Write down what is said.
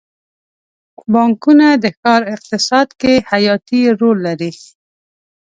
بانکونه د ښار اقتصاد کې حیاتي رول لري.